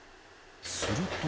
すると。